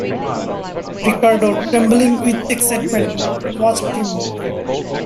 Ricardo, trembling with excitement, watched him.